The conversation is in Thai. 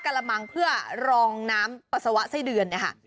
กระมังเพื่อรองน้ำปัสสาวะไส้เดือนนะคะ